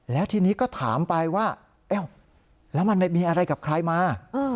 แล้วทีนี้ก็ถามไปว่าแล้วมันมีอะไรกับใครมา